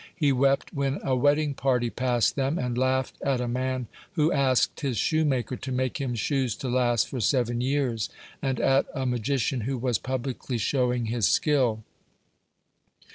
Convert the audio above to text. He wept when a wedding party passed them, and laughed at a man who asked his shoemaker to make him shoes to last for seven years, and at a magician who was publicly showing his skill.